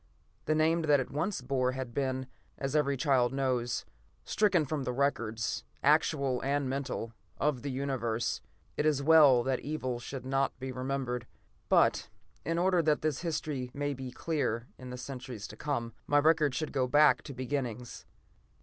The name that it once bore had been, as every child knows, stricken from the records, actual and mental, of the Universe. It is well that evil should not be remembered. But in order that this history may be clear in the centuries to come, my record should go back to beginnings.